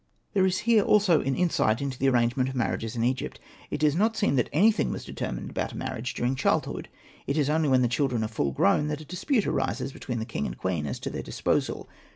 There is here also an insight into the arrangement of marriages in Egypt. It does not seem that anything was determined about a marriage during childhood ; it is only when the children are full grown that a dispute arises between the king and queen as to their dis posal.